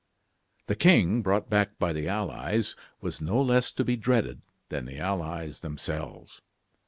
This king, brought back by the allies, was no less to be dreaded than the allies themselves.